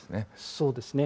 そうですね。